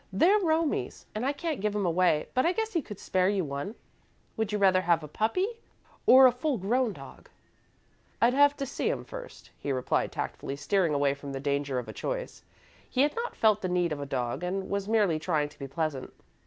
"They're Romie's and I can't give 'em away, but I guess he could spare you one. Would you rather have a puppy or a full grown dog?" "I'd have to see 'em first," he replied, tactfully steering away from the danger of a choice. He had not felt the need of a dog and was merely trying to be pleasant.